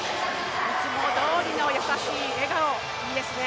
いつもどおりの優しい笑顔、いいですね。